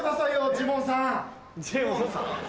ジモンさん？